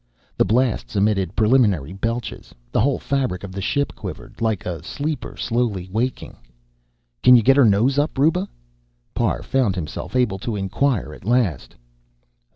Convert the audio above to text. The blasts emitted preliminary belches. The whole fabric of the ship quivered, like a sleeper slowly wakening. "Can you get her nose up, Ruba?" Parr found himself able to inquire at last.